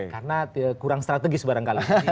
karena kurang strategis barangkali